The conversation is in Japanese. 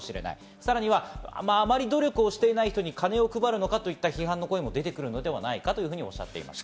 さらにはあまり努力していない人に金を配るのかという批判の声が出てくるのではないかとおっしゃっていました。